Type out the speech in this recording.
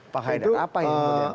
pak haidar apa itu